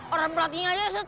orang pelatihnya aja stress